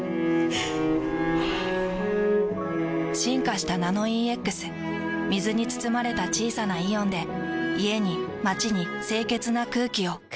ふぅ進化した「ナノイーＸ」水に包まれた小さなイオンで家に街に清潔な空気を。